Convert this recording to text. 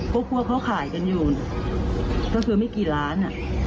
พวกเขาขายกันอยู่ก็คือไม่กี่ล้าน